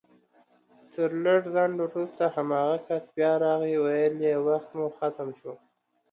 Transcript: تر لږ ځنډ وروسته هماغه کس بيا راغی ويل يې وخت مو ختم شو